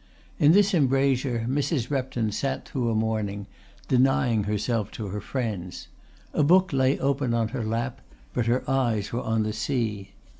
In this embrasure Mrs. Repton sat through a morning, denying herself to her friends. A book lay open on her lap but her eyes were upon the sea.